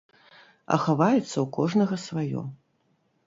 А хаваецца ў кожнага сваё.